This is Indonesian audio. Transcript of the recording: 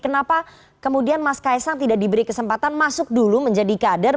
kenapa kemudian mas kaisang tidak diberi kesempatan masuk dulu menjadi kader